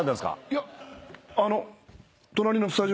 いやあの。